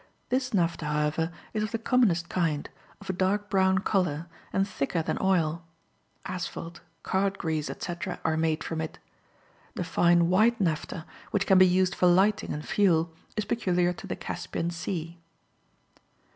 This naphtha, however, is of the commonest kind, of a dark brown colour, and thicker than oil. Asphalte, cart grease, etc., are made from it. The fine white naphtha, which can be used for lighting and fuel, is peculiar to the Caspian Sea.